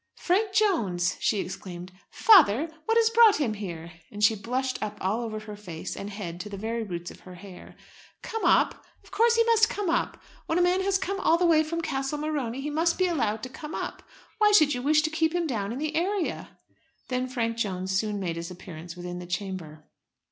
"Frank Jones!" she exclaimed. "Father, what has brought him here?" and she blushed up over her face and head to the very roots of her hair. "Come up, of course he must come up. When a man has come all the way from Castle Morony he must be allowed to come up. Why should you wish to keep him down in the area?" Then Frank Jones soon made his appearance within the chamber.